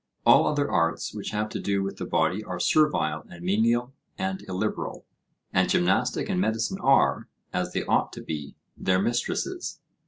All other arts which have to do with the body are servile and menial and illiberal; and gymnastic and medicine are, as they ought to be, their mistresses.